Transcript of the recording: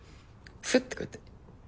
すってこうやって。